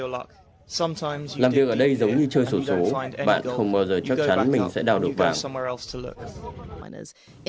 xong làm việc ở đây giống như chơi sổ số bạn không bao giờ chắc chắn mình sẽ đào được vàng